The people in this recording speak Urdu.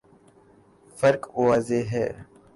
فرق واضح ہے۔